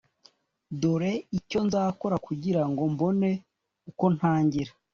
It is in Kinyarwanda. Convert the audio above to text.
dore icyo nzakora kugira ngo mbone uko ntangira